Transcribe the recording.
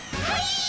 はい！